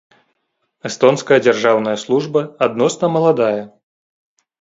Эстонская дзяржаўная служба адносна маладая.